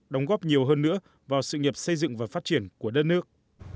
đóng góp nhiều hơn nữa vào sự nghiệp xây dựng và phát triển của đất nước